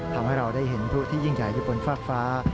ทำให้เราได้เห็นพลุที่ยิ่งใหญ่อยู่บนฟากฟ้า